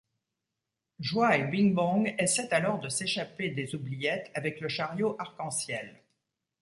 Joie et Bing Bong essaient alors de s'échapper des Oubliettes avec le chariot arc-en-ciel.